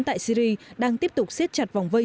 tại syri đang tiếp tục xiết chặt vòng vây